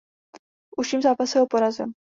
V užším zápase ho porazil.